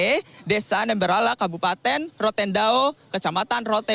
rote desa dan berlala kabupaten rote ndawo kecamatan rote bayi